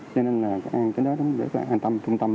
cho nên là cái đó rất là an tâm trung tâm